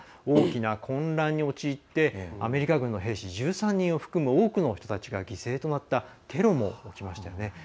大きな混乱に陥ってアメリカ軍の兵士１３人を含む多くの人たちが犠牲となったテロも起きましたよね。